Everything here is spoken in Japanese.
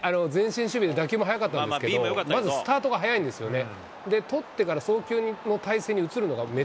打球も速かったんですけれども、まずスタートが早いんですよね。